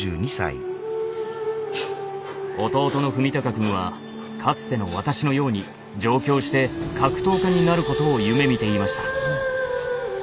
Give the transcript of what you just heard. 弟の史崇くんはかつての私のように上京して格闘家になることを夢みていました。